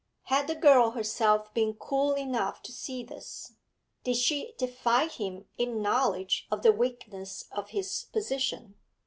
Had the girl herself been cool enough to see this? Did she defy him in knowledge of the weakness of his position?